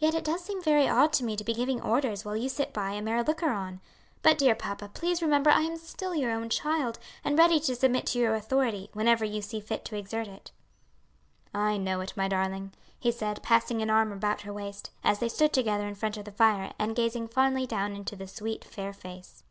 "Yet it does seem very odd to me to be giving orders while you sit by a mere looker on. But, dear papa, please remember I am still your own child, and ready to submit to your authority, whenever you see fit to exert it." "I know it, my darling," he said, passing an arm about her waist, as they stood together in front of the fire, and gazing fondly down into the sweet fair face.